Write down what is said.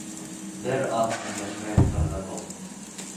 Бер аҙ өндәшмәй ултырҙы был.